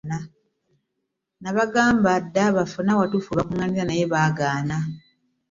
Nabagamba dda bafune awatuufu we bakuŋŋaanira naye baagaana.